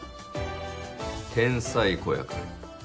天才子役だ。